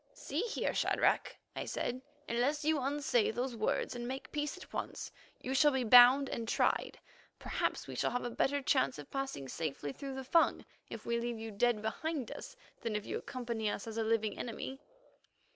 "See here, Shadrach," I said, "unless you unsay those words and make peace at once, you shall be bound and tried. Perhaps we shall have a better chance of passing safely through the Fung if we leave you dead behind us than if you accompany us as a living enemy."